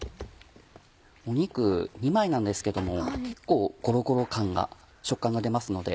肉２枚なんですけども結構ゴロゴロ感が食感が出ますので。